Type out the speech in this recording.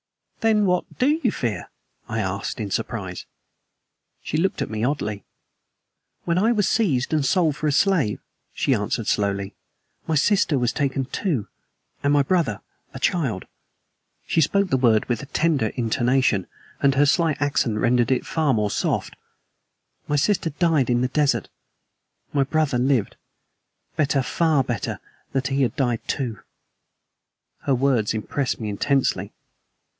"Then what do you fear?" I asked, in surprise. She looked at me oddly. "When I was seized and sold for a slave," she answered slowly, "my sister was taken, too, and my brother a child." She spoke the word with a tender intonation, and her slight accent rendered it the more soft. "My sister died in the desert. My brother lived. Better, far better, that he had died, too." Her words impressed me intensely.